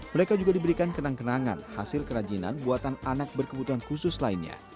mereka juga diberikan kenang kenangan hasil kerajinan buatan anak berkebutuhan khusus lainnya